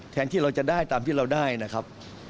แทนที่เราจะได้ตามที่เราได้นะครับ